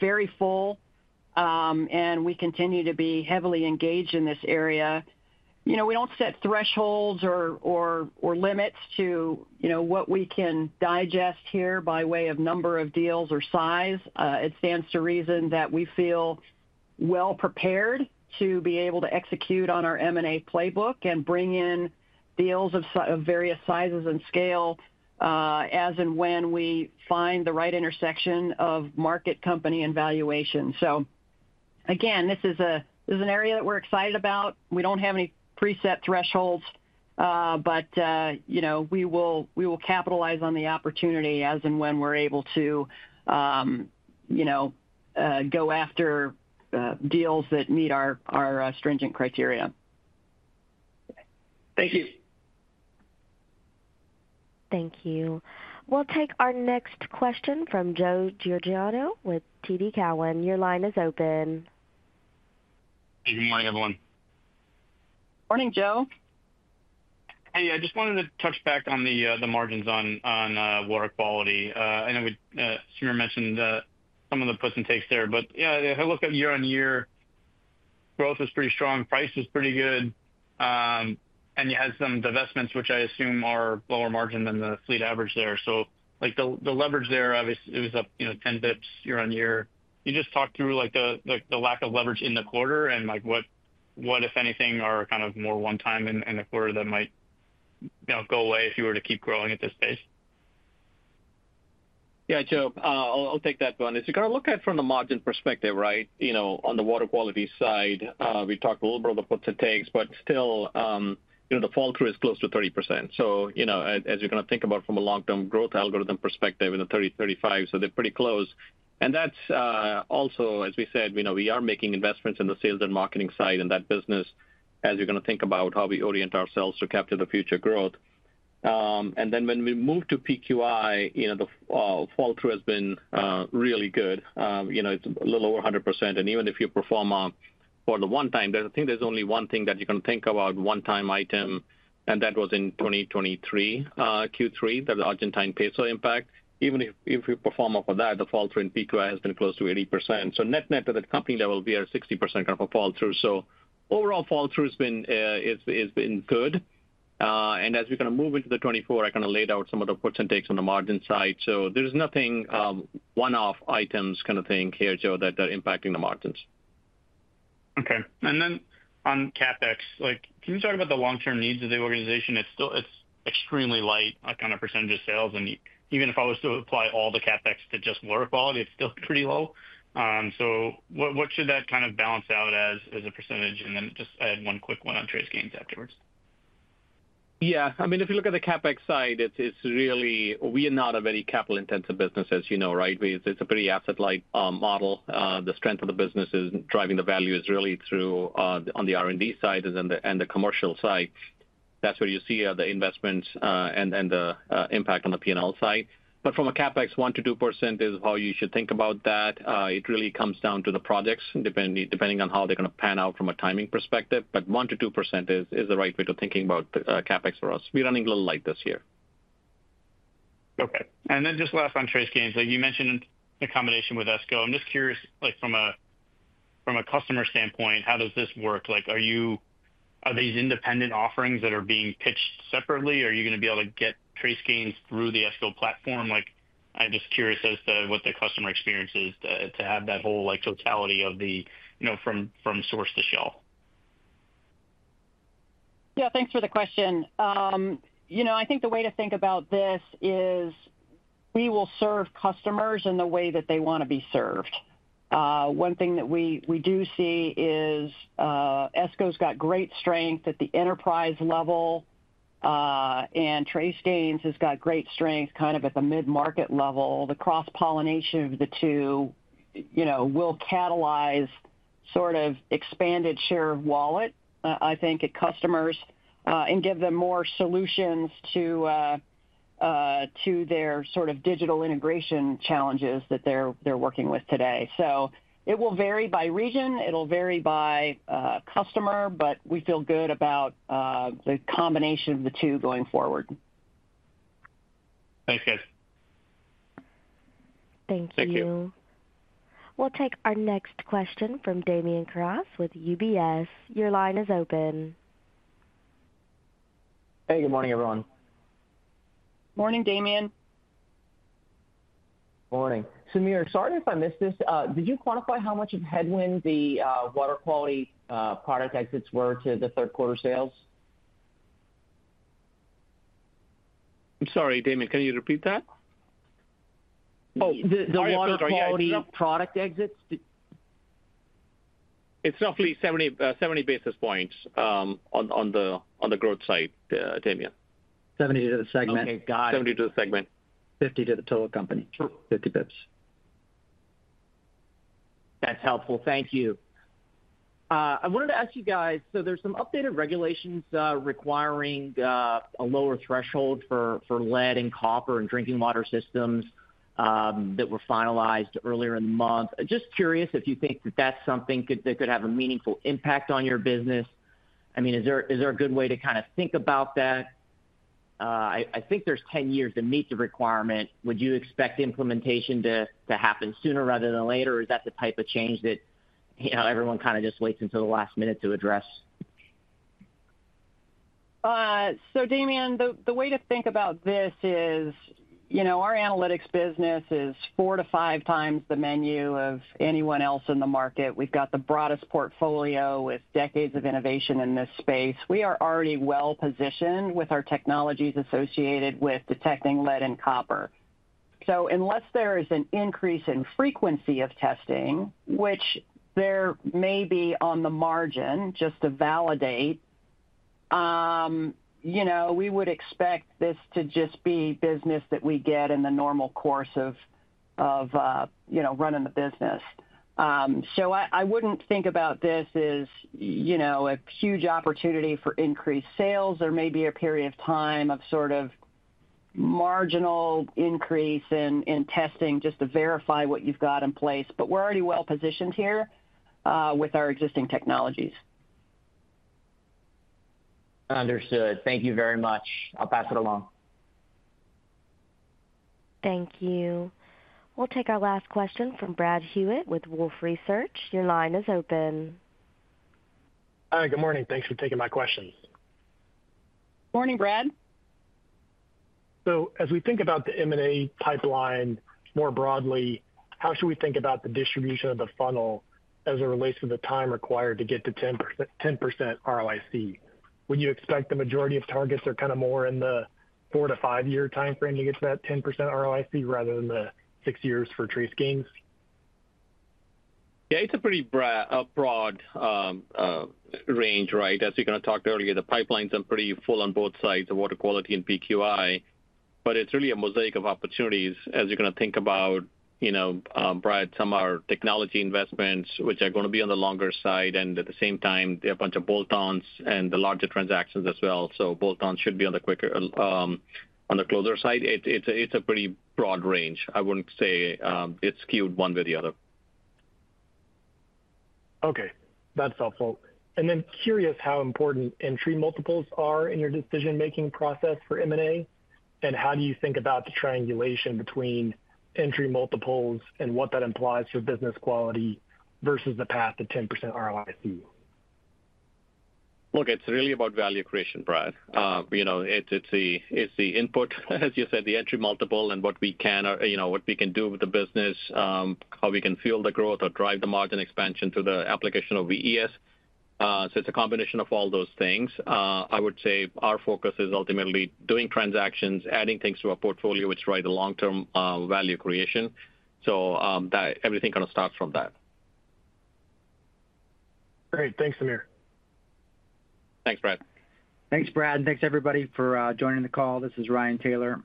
very full, and we continue to be heavily engaged in this area. You know, we don't set thresholds or limits to, you know, what we can digest here by way of number of deals or size. It stands to reason that we feel well prepared to be able to execute on our M&A playbook and bring in deals of various sizes and scale, as and when we find the right intersection of market, company, and valuation. Again, this is an area that we're excited about. We don't have any preset thresholds, but you know, we will capitalize on the opportunity as and when we're able to, you know, go after deals that meet our stringent criteria. Thank you. Thank you. We'll take our next question from Joe Giordano with TD Cowen. Your line is open. Hey, good morning, everyone. Morning, Joe. Hey, I just wanted to touch back on the margins on Water Quality. I know Sameer mentioned some of the puts and takes there, but yeah, if I look at year on year, growth is pretty strong, price is pretty good, and you had some divestments, which I assume are lower margin than the fleet average there. So, like, the leverage there, obviously, it was up, you know, ten basis points year on year. Can you just talk through, like, the lack of leverage in the quarter and, like, what, if anything, are kind of more one-time in the quarter that might, you know, go away if you were to keep growing at this pace? Yeah, Joe, I'll take that one. If you kind of look at it from the margin perspective, right, you know, on the Water Quality side, we talked a little bit about the puts and takes, but still, you know, the flow-through is close to 30%. So, you know, as you're gonna think about from a long-term growth algorithm perspective, you know, 30%, 35%, so they're pretty close. That's also, as we said, you know, we are making investments in the sales and marketing side in that business, as you're gonna think about how we orient ourselves to capture the future growth. Then when we move to PQI, you know, the flow-through has been really good. You know, it's a little over 100%, and even if you pro forma for the one time, I think there's only one thing that you can think about one-time item, and that was in 2023 Q3, the Argentine peso impact. Even if, if you pro forma off of that, the fall-through in PQI has been close to 80%. So net/net to the company level, we are 60% kind of a fall-through. So overall fall-through has been good. And as we kind of move into the 2024, I kind of laid out some of the puts and takes on the margin side, so there's nothing, one-off items kind of thing here, Joe, that are impacting the margins. Okay. And then on CapEx, like, can you talk about the long-term needs of the organization? It's still. It's extremely light on a kind of percentage of sales, and even if I was to apply all the CapEx to just Water Quality, it's still pretty low. So what should that kind of balance out as a percentage? And then just I had one quick one on TraceGains afterwards. Yeah. I mean, if you look at the CapEx side, it's really... We are not a very capital-intensive business, as you know, right? It's a pretty asset-light model. The strength of the business is driving the value is really through on the R&D side and the commercial side. That's where you see the investments and the impact on the P&L side. But from a CapEx, 1%-2% is how you should think about that. It really comes down to the projects, depending on how they're gonna pan out from a timing perspective, but 1%-2% is the right way to think about CapEx for us. We're running a little light this year. Okay. And then just last on TraceGains, like you mentioned, the combination with Esko. I'm just curious, like from a, from a customer standpoint, how does this work? Like, are you-- are these independent offerings that are being pitched separately, or are you gonna be able to get TraceGains through the Esko platform? Like, I'm just curious as to what the customer experience is to, to have that whole, like, totality of the, you know, from, from source to shelf. Yeah, thanks for the question. You know, I think the way to think about this is we will serve customers in the way that they want to be served. One thing that we do see is Esko's got great strength at the enterprise level, and TraceGains has got great strength kind of at the mid-market level. The cross-pollination of the two, you know, will catalyze sort of expanded share of wallet, I think, at customers, and give them more solutions to their sort of digital integration challenges that they're working with today. So it will vary by region, it'll vary by customer, but we feel good about the combination of the two going forward. Thanks, guys. Thank you. Thank you. We'll take our next question from Damian Karas with UBS. Your line is open. Hey, good morning, everyone. Morning, Damian.... Morning. Sameer, sorry if I missed this. Did you quantify how much of headwind the Water Quality product exits were to the third quarter sales? I'm sorry, Damian, can you repeat that? Oh- The Water Quality product exits. It's roughly 70 basis points on the growth side, Damian. 70 to the segment. Okay, got it. 70 to the segment. 50 to the total company. Sure. Fifty BPS. That's helpful. Thank you. I wanted to ask you guys, so there's some updated regulations requiring a lower threshold for lead and copper in drinking water systems that were finalized earlier in the month. Just curious if you think that that's something could have a meaningful impact on your business? I mean, is there a good way to kind of think about that? I think there's ten years to meet the requirement. Would you expect implementation to happen sooner rather than later, or is that the type of change that, you know, everyone kind of just waits until the last minute to address? So Damian, the way to think about this is, you know, our analytics business is four to five times the menu of anyone else in the market. We've got the broadest portfolio with decades of innovation in this space. We are already well positioned with our technologies associated with detecting lead and copper. So unless there is an increase in frequency of testing, which there may be on the margin, just to validate, you know, we would expect this to just be business that we get in the normal course of you know, running the business. So I wouldn't think about this as, you know, a huge opportunity for increased sales. There may be a period of time of sort of marginal increase in testing, just to verify what you've got in place, but we're already well positioned here with our existing technologies. Understood. Thank you very much. I'll pass it along. Thank you. We'll take our last question from Brad Hewitt with Wolfe Research. Your line is open. Hi, good morning. Thanks for taking my questions. Morning, Brad. As we think about the M&A pipeline more broadly, how should we think about the distribution of the funnel as it relates to the time required to get to 10%, 10% ROIC? Would you expect the majority of targets are kind of more in the four-to-five-year timeframe to get to that 10% ROIC rather than the six years for TraceGains? Yeah, it's a pretty broad range, right? As we kind of talked earlier, the pipelines are pretty full on both sides, the Water Quality and PQI, but it's really a mosaic of opportunities as you're gonna think about, you know, Brad, some of our technology investments, which are gonna be on the longer side, and at the same time, a bunch of bolt-ons and the larger transactions as well. So bolt-ons should be on the quicker, on the closer side. It's a pretty broad range. I wouldn't say, it's skewed one way or the other. Okay, that's helpful. And then curious how important entry multiples are in your decision-making process for M&A, and how do you think about the triangulation between entry multiples and what that implies for business quality versus the path to 10% ROIC? Look, it's really about value creation, Brad. You know, it's the input, as you said, the entry multiple, and what we can, you know, what we can do with the business, how we can fuel the growth or drive the margin expansion through the application of VES. So it's a combination of all those things. I would say our focus is ultimately doing transactions, adding things to our portfolio, which drive the long-term value creation. So, that everything kind of starts from that. Great. Thanks, Sameer. Thanks, Brad. Thanks, Brad, and thanks, everybody, for joining the call. This is Ryan Taylor.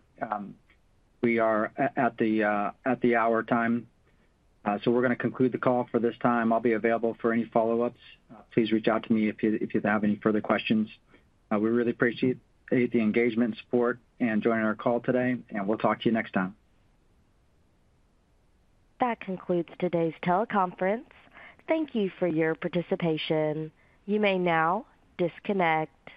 We are at the hour time, so we're gonna conclude the call for this time. I'll be available for any follow-ups. Please reach out to me if you have any further questions. We really appreciate the engagement and support and joining our call today, and we'll talk to you next time. That concludes today's teleconference. Thank you for your participation. You may now disconnect.